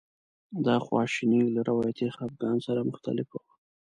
دا خواشیني له روایتي خپګان سره مختلفه وه.